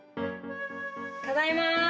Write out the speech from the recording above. ただいま。